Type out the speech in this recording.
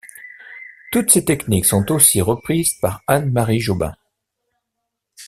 Toutes ces techniques sont aussi reprises par Anne-Marie Jobin.